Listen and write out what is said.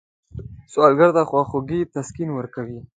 سوالګر ته خواخوږي تسکین ورکوي